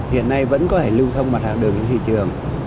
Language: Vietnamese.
hiện nay vẫn có thể lưu thông mặt hạng đường trên thị trường